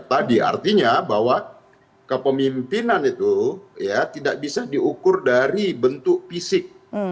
tadi artinya bahwa kepemimpinan itu tidak bisa diukur dari bentuk fisik